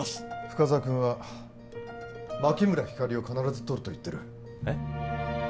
深沢君は牧村ひかりを必ずとると言ってるえっ？